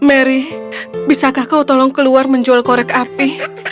mary bisakah kau tolong keluar menjual korek api